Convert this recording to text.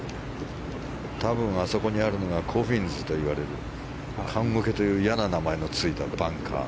多分、あそこにあるのがコフィンズと呼ばれる棺桶という嫌な名前のついたバンカー。